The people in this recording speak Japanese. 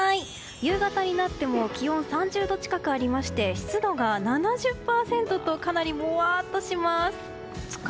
夕方になっても気温３０度近くありまして湿度が７０％とかなりもわっとします。